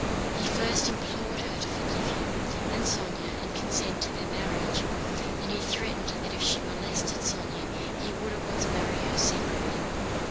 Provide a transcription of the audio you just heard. He first implored her to forgive him and Sónya and consent to their marriage, then he threatened that if she molested Sónya he would at once marry her secretly.